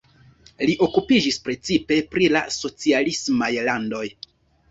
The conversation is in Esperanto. Li okupiĝis precipe pri la socialismaj landoj.